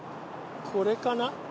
これかな？